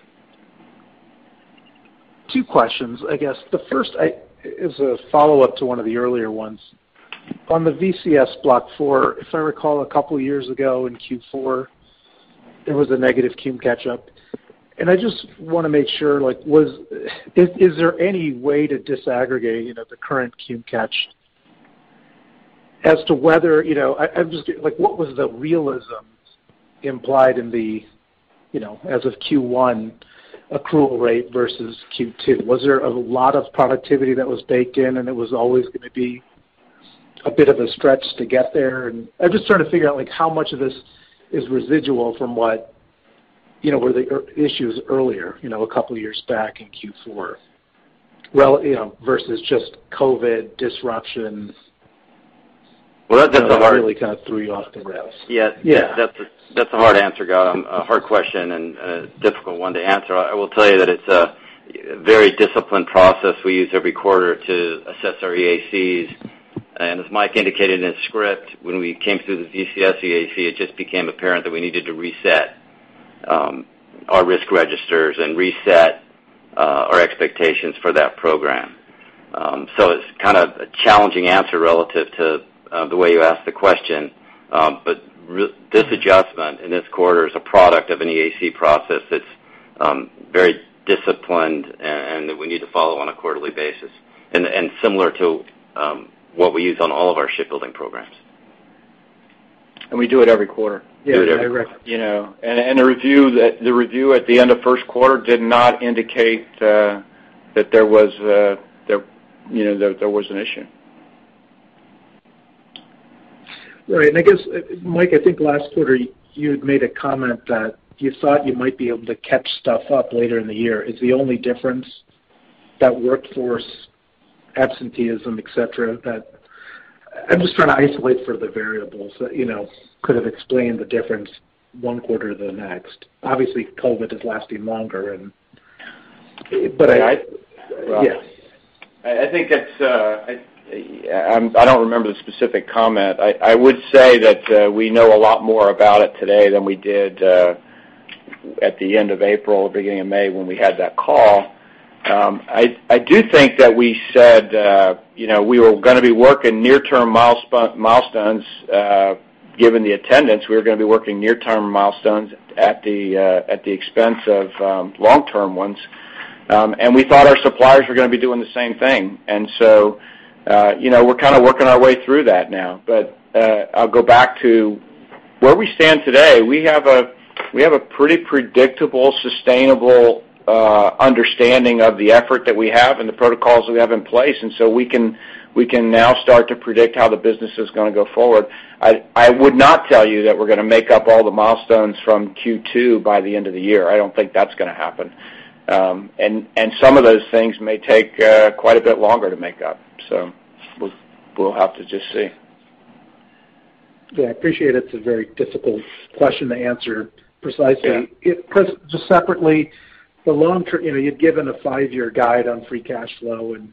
Two questions, I guess. The first is a follow-up to one of the earlier ones. On the VCS Block IV, if I recall, a couple of years ago in Q4, there was a negative cum catch-up. And I just want to make sure, is there any way to disaggregate the current CUME catch as to whether I'm just what was the realism implied in the, as of Q1, accrual rate versus Q2? Was there a lot of productivity that was baked in, and it was always going to be a bit of a stretch to get there? And I'm just trying to figure out how much of this is residual from what were the issues earlier, a couple of years back in Q4 versus just COVID disruption? Well, that's a hard. That really kind of threw you off the rails. Yeah. That's a hard answer, Gautam. A hard question and a difficult one to answer. I will tell you that it's a very disciplined process we use every quarter to assess our EACs. And as Mike indicated in his script, when we came through the VCS EAC, it just became apparent that we needed to reset our risk registers and reset our expectations for that program. So it's kind of a challenging answer relative to the way you asked the question. But this adjustment in this quarter is a product of an EAC process that's very disciplined and that we need to follow on a quarterly basis and similar to what we use on all of our shipbuilding programs. We do it every quarter. We do it every quarter, and the review at the end of first quarter did not indicate that there was an issue. Right. And I guess, Mike, I think last quarter, you had made a comment that you thought you might be able to catch stuff up later in the year. Is the only difference that workforce absenteeism, etc., that I'm just trying to isolate for the variables that could have explained the difference one quarter to the next? Obviously, COVID is lasting longer, but yeah. I think that's. I don't remember the specific comment. I would say that we know a lot more about it today than we did at the end of April, beginning of May, when we had that call. I do think that we said we were going to be working near-term milestones given the attendance. We were going to be working near-term milestones at the expense of long-term ones, and we thought our suppliers were going to be doing the same thing, and so we're kind of working our way through that now, but I'll go back to where we stand today. We have a pretty predictable, sustainable understanding of the effort that we have and the protocols that we have in place, and so we can now start to predict how the business is going to go forward. I would not tell you that we're going to make up all the milestones from Q2 by the end of the year. I don't think that's going to happen, and some of those things may take quite a bit longer to make up, so we'll have to just see. Yeah. I appreciate it. It's a very difficult question to answer precisely. Just separately, you'd given a five-year guide on free cash flow, and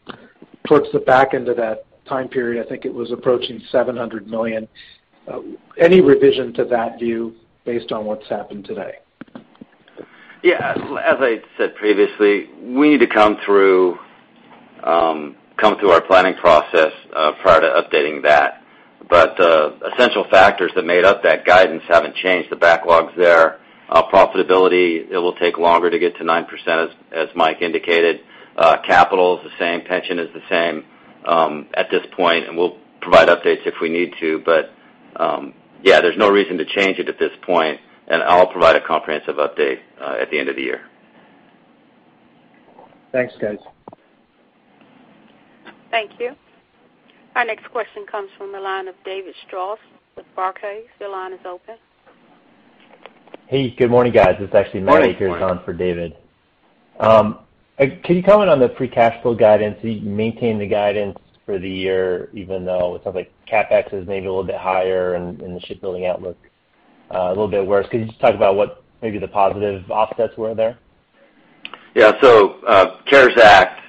towards the back end of that time period, I think it was approaching $700 million. Any revision to that view based on what's happened today? Yeah. As I said previously, we need to come through our planning process prior to updating that. But essential factors that made up that guidance haven't changed. The backlog's there. Profitability, it will take longer to get to 9%, as Mike indicated. Capital is the same. Pension is the same at this point. And we'll provide updates if we need to. But yeah, there's no reason to change it at this point. And I'll provide a comprehensive update at the end of the year. Thanks, guys. Thank you. Our next question comes from analyst David Strauss with Barclays. Your line is open. Hey. Good morning, guys. This is actually Mike who's on for David. Can you comment on the free cash flow guidance? You maintained the guidance for the year, even though it sounds like CapEx is maybe a little bit higher and the shipbuilding outlook a little bit worse. Could you just talk about what maybe the positive offsets were there? Yeah. So CARES Act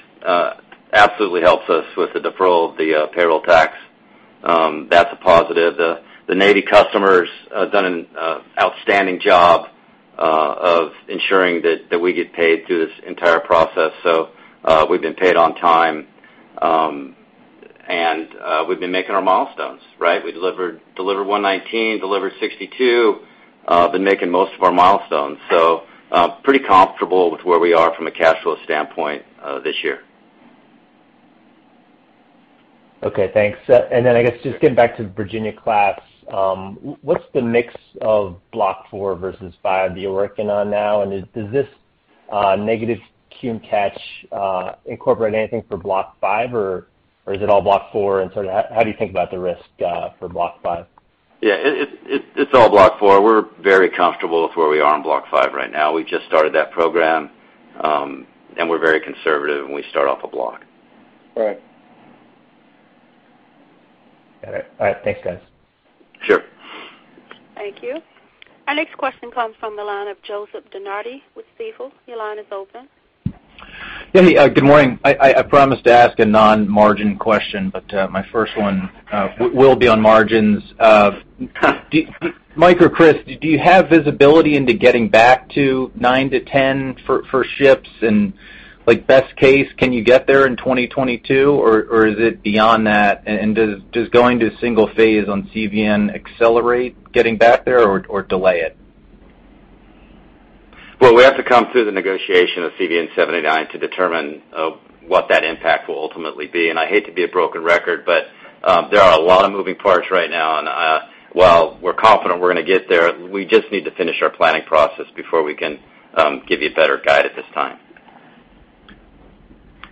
absolutely helps us with the deferral of the payroll tax. That's a positive. The Navy customers have done an outstanding job of ensuring that we get paid through this entire process. So we've been paid on time, and we've been making our milestones, right? We delivered 119, delivered 62, been making most of our milestones. So pretty comfortable with where we are from a cash flow standpoint this year. Okay. Thanks. And then I guess just getting back to Virginia-class, what's the mix of Block IV versus V that you're working on now? And does this negative cumulative catch incorporate anything for Block V? Or is it all Block IV? And sort of how do you think about the risk for Block V? Yeah. It's all Block IV. We're very comfortable with where we are on Block V right now. We just started that program, and we're very conservative when we start off a block. Right. Got it. All right. Thanks, guys. Sure. Thank you. Our next question comes from Joseph DeNardi with Stifel. Your line is open. Hey, good morning. I promised to ask a non-margin question, but my first one will be on margins. Mike or Chris, do you have visibility into getting back to 9%-10% for ships? And best case, can you get there in 2022? Or is it beyond that? And does going to single-phase on CVN accelerate getting back there or delay it? We have to come through the negotiation of CVN 79 to determine what that impact will ultimately be. I hate to be a broken record, but there are a lot of moving parts right now. While we're confident we're going to get there, we just need to finish our planning process before we can give you a better guide at this time.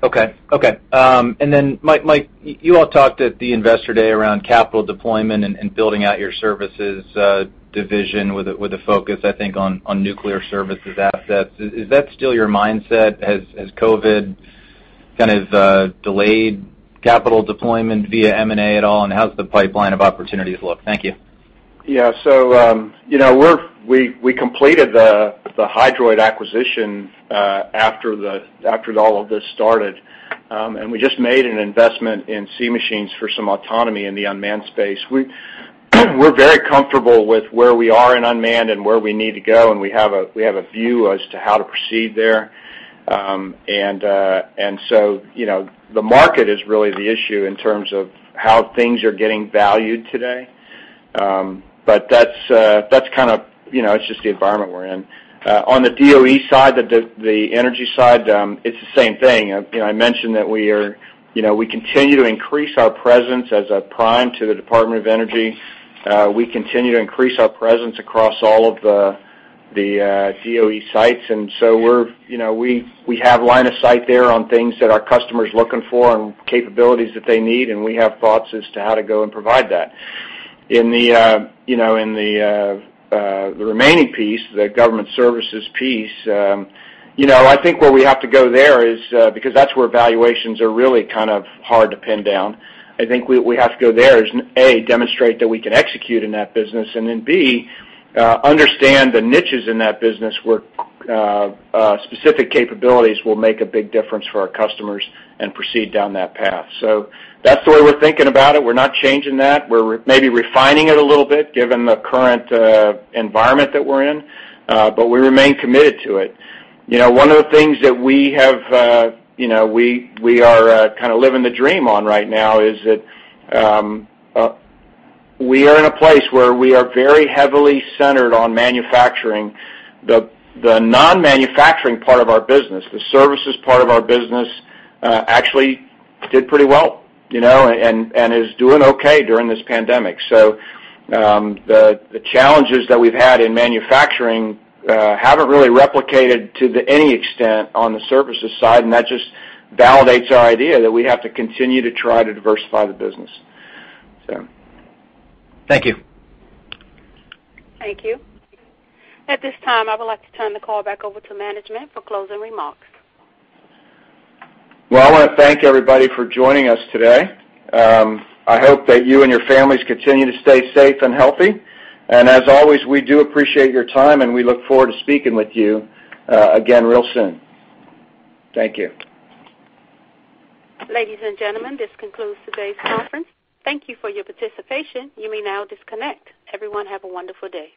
Okay. Okay. And then, Mike, you all talked at the investor day around capital deployment and building out your services division with a focus, I think, on nuclear services assets. Is that still your mindset? Has COVID kind of delayed capital deployment via M&A at all? And how's the pipeline of opportunities look? Thank you. Yeah. So we completed the Hydroid acquisition after all of this started. And we just made an investment in Sea Machines for some autonomy in the unmanned space. We're very comfortable with where we are in unmanned and where we need to go. And we have a view as to how to proceed there. And so the market is really the issue in terms of how things are getting valued today. But that's kind of it's just the environment we're in. On the DOE side, the energy side, it's the same thing. I mentioned that we continue to increase our presence as a prime to the Department of Energy. We continue to increase our presence across all of the DOE sites. And so we have line of sight there on things that our customers are looking for and capabilities that they need. We have thoughts as to how to go and provide that. In the remaining piece, the government services piece, I think where we have to go there is because that's where valuations are really kind of hard to pin down. I think what we have to go there is, A, demonstrate that we can execute in that business. And then, B, understand the niches in that business where specific capabilities will make a big difference for our customers and proceed down that path. So that's the way we're thinking about it. We're not changing that. We're maybe refining it a little bit given the current environment that we're in, but we remain committed to it. One of the things that we have, we are kind of living the dream on right now, is that we are in a place where we are very heavily centered on manufacturing. The non-manufacturing part of our business, the services part of our business, actually did pretty well and is doing okay during this pandemic. So the challenges that we've had in manufacturing haven't really replicated to any extent on the services side. And that just validates our idea that we have to continue to try to diversify the business, so. Thank you. Thank you. At this time, I would like to turn the call back over to management for closing remarks. I want to thank everybody for joining us today. I hope that you and your families continue to stay safe and healthy. As always, we do appreciate your time. We look forward to speaking with you again real soon. Thank you. Ladies and gentlemen, this concludes today's conference. Thank you for your participation. You may now disconnect. Everyone, have a wonderful day.